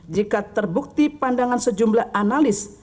jika terbukti pandangan sejumlah analis